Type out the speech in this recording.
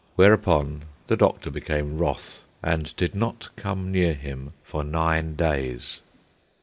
Whereupon the doctor became wroth, and did not come near him for nine days.